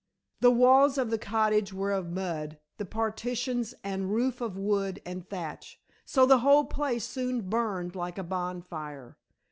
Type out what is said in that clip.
The walls of the cottage were of mud, the partitions and roof of wood and thatch, so the whole place soon burned like a bonfire.